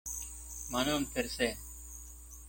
Ma non per sé.